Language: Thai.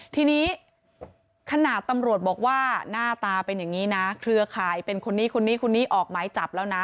ทีนี้ขนาดตำรวจบอกว่าหน้าตาเป็นอย่างนี้นะเครือข่ายเป็นคนนี้คนนี้คนนี้คนนี้ออกหมายจับแล้วนะ